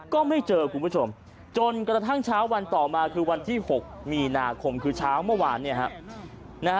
ก็ไม่เจอคุณผู้ชมจนกระทั่งเช้าวันต่อมาคือวันที่๖มีนาคมคือเช้าเมื่อวาน